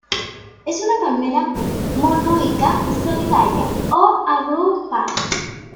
Es una palmera monoica, solitaria o agrupada.